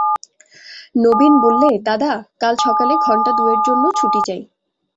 নবীন বললে, দাদা, কাল সকালে ঘণ্টা দুয়ের জন্যে ছুটি চাই।